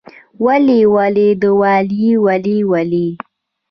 ولي ولې د ویالې ولې ولې؟